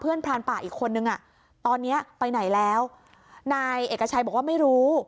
พรานป่าอีกคนนึงอ่ะตอนเนี้ยไปไหนแล้วนายเอกชัยบอกว่าไม่รู้